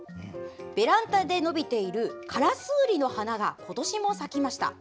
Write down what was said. ベランダで伸びているカラスウリの花が今年も咲きました。